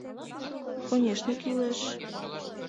Конешне, кӱлеш!